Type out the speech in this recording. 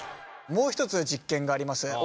もう一つ実験があります。